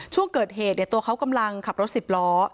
ช่วงเกิดเหตุตัวเขากำลังขับรถ๑๐ล้อ